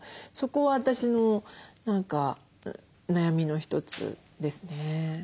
そこは私の何か悩みの一つですね。